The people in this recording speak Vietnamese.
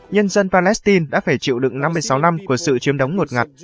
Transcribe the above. nhân dân palestine đã phải chịu đựng năm mươi sáu năm của sự chiếm đóng ngột ngặt